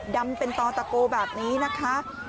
ดำเป็นต่อตะโกแบบนี้นะคะ